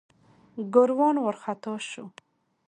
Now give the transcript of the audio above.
ګوروان وارخطا شو.